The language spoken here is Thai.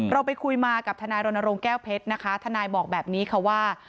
ไปคุยมากับทนายรณรงค์แก้วเพชรนะคะทนายบอกแบบนี้ค่ะว่า